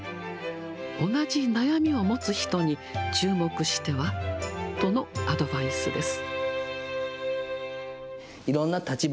同じ悩みを持つ人に注目しては？とのアドバイスです。